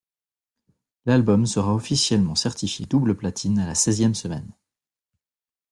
L'album sera officiellement certifié double platine à la seizième semaine.